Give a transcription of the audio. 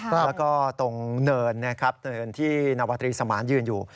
แล้วก็ตรงเนินหน์นะครับที่นาวาตรีสมานยืนอยู่